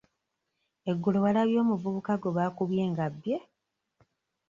Eggulo walabye omuvubuka gwe baakubye nga abbye?